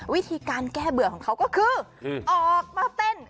วิธีการแก้เบื่อของเขาก็คือออกมาเต้น